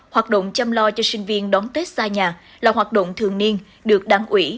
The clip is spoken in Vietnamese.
hoạt động chăm lo cho sinh viên đón tết xa nhà là hoạt động thường niên được đảng ủy